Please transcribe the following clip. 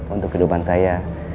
untuk kehidupan saya